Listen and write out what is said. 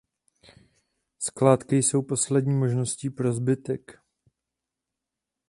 Skládky jsou poslední možností pro zbytek.